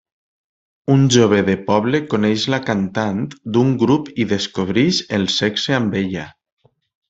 Un jove de poble coneix la cantant d'un grup i descobrix el sexe amb ella.